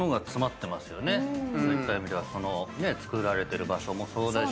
そういった意味では作られてる場所もそうだし。